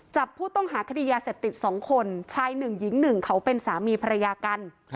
จับผู้ต้องหาคดียาเศรษฐ์ติด๒คนชาย๑หญิง๑เขาเป็นสามีภรรยากัน